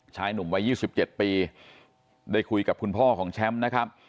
ชายหนุ่มวัย๒๗ปีได้คุยกับคุณพ่อของแชมป์นะครับ